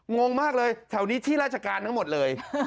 งงมากเลยแถวนี้ที่ราชการทั้งหมดเลย